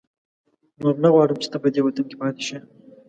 نور نه غواړم چې ته په دې وطن کې پاتې شې.